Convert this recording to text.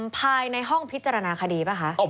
ภายในห้องพิจารณาคดีป่ะคะ